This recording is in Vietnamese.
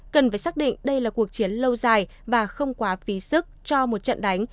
cần phải xác định đây là cuộc chiến lâu dài và không quá phí sức cho một trận đánh